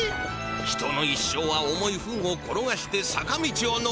人の一生は重いフンを転がして坂道を上るがごとし。